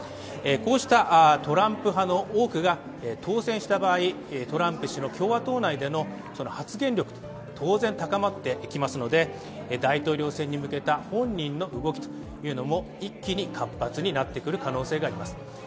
こうしたトランプ派の多くが、当選した場合、トランプ氏の共和党内での発言力、当然高まっていきますので大統領選に向けた本人の動きも一気に活発になってくる可能性があります。